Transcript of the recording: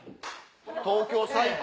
東京最高！